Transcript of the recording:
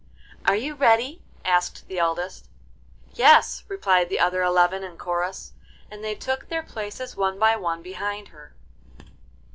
'Are you ready?' asked the eldest. 'Yes,' replied the other eleven in chorus, and they took their places one by one behind her.